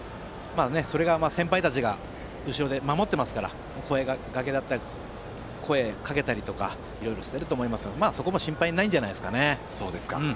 ただ、先輩たちが後ろで守っていますから声がけだったりいろいろしていると思いますのでそこも心配ないんじゃないですか。